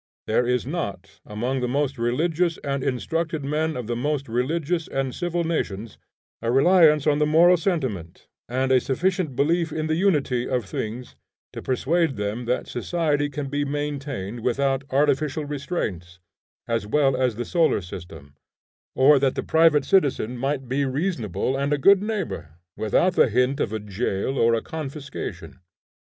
There is not, among the most religious and instructed men of the most religious and civil nations, a reliance on the moral sentiment and a sufficient belief in the unity of things, to persuade them that society can be maintained without artificial restraints, as well as the solar system; or that the private citizen might be reasonable and a good neighbor, without the hint of a jail or a confiscation.